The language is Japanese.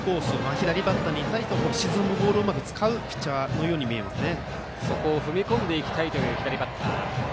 左バッターに対して沈むボールをうまく使うピッチャーのように見えますね。